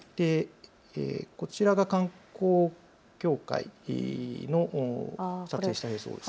こちらが観光協会の撮影した映像です。